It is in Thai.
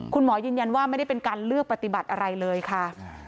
คุณหมอยืนยันว่าไม่ได้เป็นการเลือกปฏิบัติอะไรเลยค่ะ